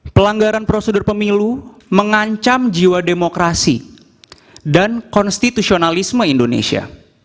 pelanggaran prosedur pemilu mengancam jiwa demokrasi dan konstitusionalisme indonesia